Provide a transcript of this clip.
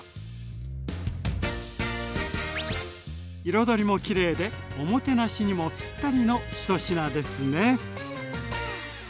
彩りもきれいでおもてなしにもぴったりの一品ですね！